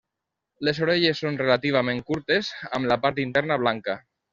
Les orelles són relativament curtes amb la part interna blanca.